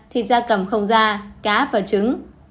thịt da cầm không da cá và trứng